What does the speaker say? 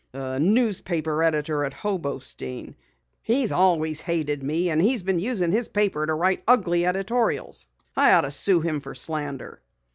"A newspaper editor at Hobostein. He always hated me and he's been using his paper to write ugly editorials. I ought to sue him for slander."